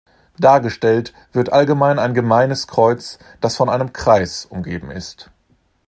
Dargestellt wird allgemein ein gemeines Kreuz, das von einem Kreis umgeben ist.